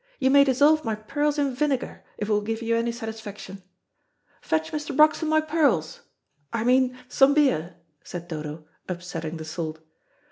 You may dissolve my pearls in vinegar, if it will give you any satisfaction. Fetch Mr. Broxton my pearls, I mean some beer," said Dodo, upsetting the salt.